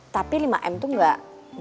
tapi lima m tuh gak ada apa apa